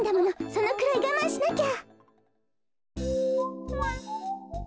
そのくらいがまんしなきゃ。